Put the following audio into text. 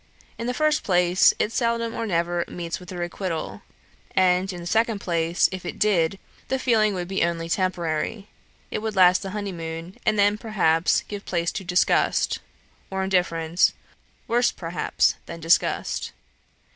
In the first place, it seldom or never meets with a requital; and, in the second place, if it did, the feeling would be only temporary: it would last the honeymoon, and then, perhaps, give place to disgust, or indifference, worse, perhaps, than disgust.